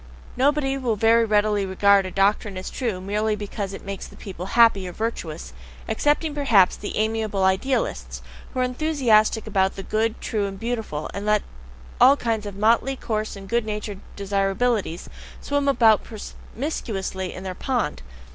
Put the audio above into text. Nobody will very readily regard a doctrine as true merely because it makes people happy or virtuous excepting, perhaps, the amiable "Idealists," who are enthusiastic about the good, true, and beautiful, and let all kinds of motley, coarse, and good natured desirabilities swim about promiscuously in their pond.